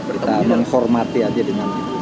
kita menghormati aja dengan itu